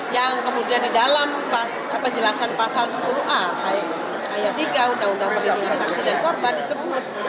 yang kemudian di dalam penjelasan pasal sepuluh a ayat tiga undang undang perlindungan saksi dan korban disebut